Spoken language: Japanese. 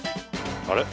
あれ？